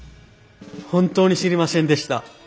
本当に知りませんでした。